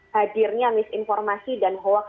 hadirnya misinformasi dan hoax